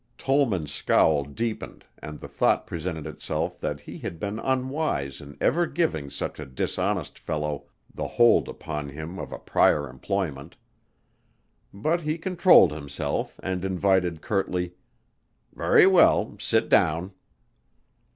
Tollman's scowl deepened and the thought presented itself that he had been unwise in ever giving such a dishonest fellow the hold upon him of a prior employment. But he controlled himself and invited curtly, "Very well. Sit down."